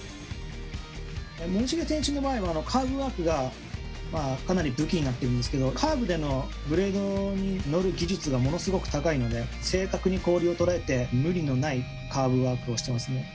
森重選手の場合はカーブワークが、かなり武器になってるんですけど、カーブでのブレードに乗る技術がものすごく高いので、正確に氷を捉えて、無理のないカーブワークをしてますね。